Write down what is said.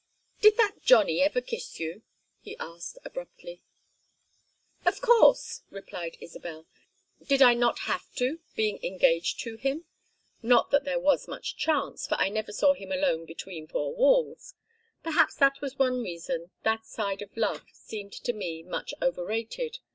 "Did that Johnny ever kiss you?" he asked, abruptly. "Of course," replied Isabel. "Did I not have to, being engaged to him? Not that there was much chance, for I never saw him alone between four walls. Perhaps that was one reason that side of love seemed to me much overrated.